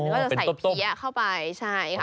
ก็จะใส่เพี้ยเข้าไปใช่ค่ะ